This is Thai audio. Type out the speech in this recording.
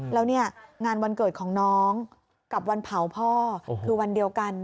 แล้วเนี่ยงานวันเกิดของน้องกับวันเผาพ่อคือวันเดียวกัน